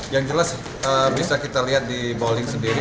yang jelas bisa kita lihat di bowling sendiri